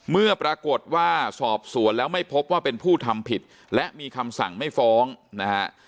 เมื่อปรากฏว่าสอบสวนแล้วไม่พบว่าเป็นผู้ทำผิดและมีคำสั่งไม่ฟ้องนะฮะ